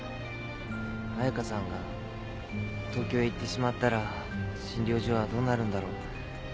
彩佳さんが東京へ行ってしまったら診療所はどうなるんだろう。